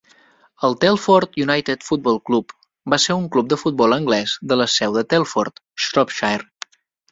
El Telford United Football Club va ser un club de futbol anglès de la seu de Telford, Shropshire.